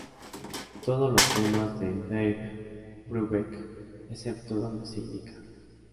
Todos los temas de Dave Brubeck excepto donde se indica.